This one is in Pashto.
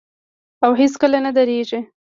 او هیڅکله نه دریږي.